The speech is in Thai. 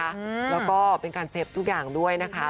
แล้วก็เป็นการเซฟทุกอย่างด้วยนะคะ